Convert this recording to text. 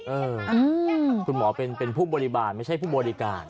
เออคุณหมอเป็นผู้บริบาลไม่ใช่ผู้บริการ